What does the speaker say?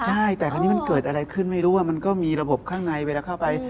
ใช่แต่คราวนี้มันเกิดอะไรขึ้นไม่รู้ว่ามันก็มีระบบข้างในเวลาเข้าไป